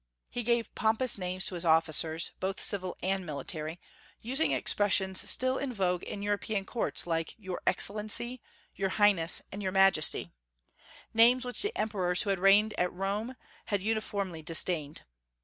He gave pompous names to his officers, both civil and military, using expressions still in vogue in European courts, like "Your Excellency," "Your Highness," and "Your Majesty," names which the emperors who had reigned at Rome had uniformly disdained.